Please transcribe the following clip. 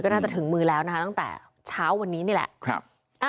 น่าจะถึงมือแล้วนะคะตั้งแต่เช้าวันนี้นี่แหละ